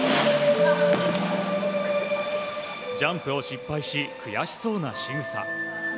ジャンプを失敗し悔しそうなしぐさ。